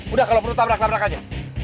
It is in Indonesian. udah kalau perlu tabrak tabrak aja